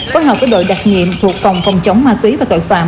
phối hợp với đội đặc nhiệm thuộc phòng phòng chống ma túy và tội phạm